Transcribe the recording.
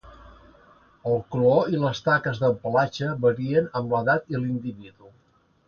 El color i les taques del pelatge varien amb l'edat i l'individu.